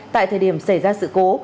tại thời điểm xảy ra sự cố